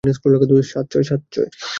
সাত, ছয়।